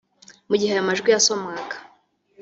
Mu gihe aya majwi yasomwaga